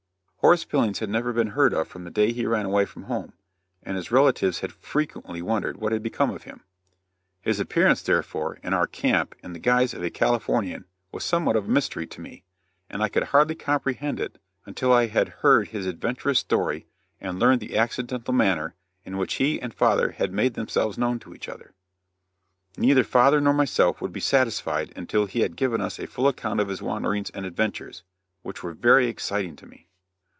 Horace Billings had never been heard of from the day he ran away from home, and his relatives had frequently wondered what had become of him. His appearance, therefore, in our camp in the guise of a Californian was somewhat of a mystery to me, and I could hardly comprehend it until I had heard his adventurous story and learned the accidental manner in which he and father had made themselves known to each other. Neither father nor myself would be satisfied until he had given us a full account of his wanderings and adventures, which were very exciting to me.